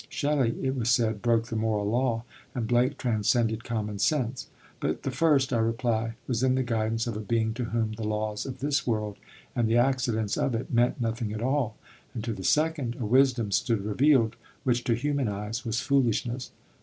Shelley, it was said, broke the moral law, and Blake transcended common sense; but the first, I reply, was in the guidance of a being to whom the laws of this world and the accidents of it meant nothing at all; and to the second a wisdom stood revealed which to human eyes was foolishness.